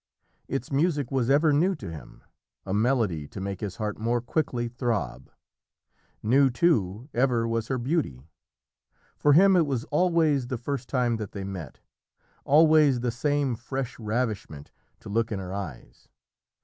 Its music was ever new to him a melody to make his heart more quickly throb. New, too, ever was her beauty. For him it was always the first time that they met, always the same fresh ravishment to look in her eyes.